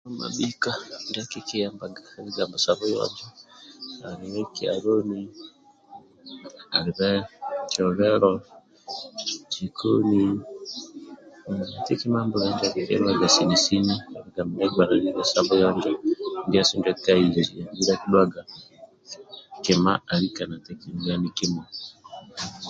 Kima mabhika ndia akikiyambaga ka bigambo sa buyonjo alibe kyaloni alibe kyoghelo jikoni kima mbule injo andulu ndia akikiyambaga sini bigambo ndia agbananibe bigambo sa buyonjo ndiasu ndia ka injo andulu ndia akidhuaga kima alikau na tekaniliani kimui